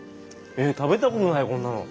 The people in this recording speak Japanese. ええ食べたことないこんなの。